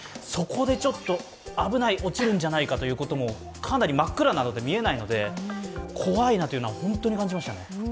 そこで危ない、落ちるんじゃないかということも真っ暗なので見えないので怖いなというのは感じましたね。